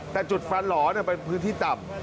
แต่จุดฟันหล่อเป็นพื้นที่ต่ำ